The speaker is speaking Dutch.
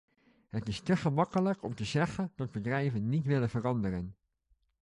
Het is te gemakkelijk om te zeggen dat bedrijven niet willen veranderen.